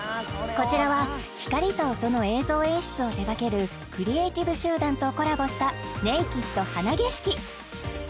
こちらは光と音の映像演出を手がけるクリエイティブ集団とコラボしたＮＡＫＥＤ花景色